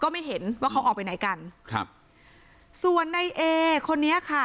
ไม่เห็นว่าเขาออกไปไหนกันครับส่วนในเอคนนี้ค่ะ